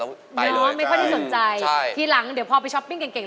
แต่ว่าไม่ค่อยได้สนใจทีหลังเดี๋ยวพอไปช้อปปิ้งเก่ง